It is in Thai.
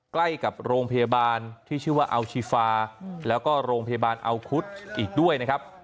ใกล้กับโรงพยาบาลที่ชื่อว่าอัลชีฟาแล้วก็โรงพยาบาลอัลคุดอีกด้วยนะครับ